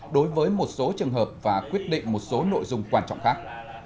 đối với một số trường hợp và quyết định một số nội dung quan trọng khác